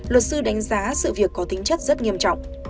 luật sư đánh giá sự việc có tính chất rất nghiêm trọng